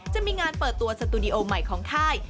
จะมีงานเปิดตัวสตูดิโอใหม่ของค่าย